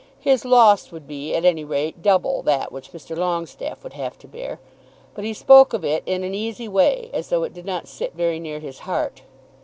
His loss would be, at any rate, double that which Mr. Longestaffe would have to bear; but he spoke of it in an easy way, as though it did not sit very near his heart.